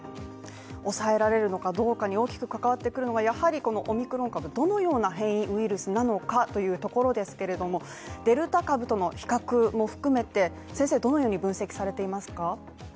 抑えられるのかどうかに大きく関わってくるのがやはりこのオミクロン株どのような変異ウイルスなのかというところですけれども、デルタ株との比較も含めて、先生はどのように分析されていますか。